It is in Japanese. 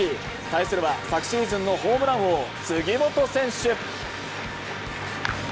対するは昨シーズンのホームラン王・杉本選手。